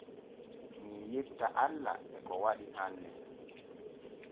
Mii yetta alla e ko waɗi hanne.